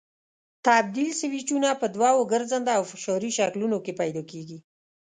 تبدیل سویچونه په دوو ګرځنده او فشاري شکلونو کې پیدا کېږي.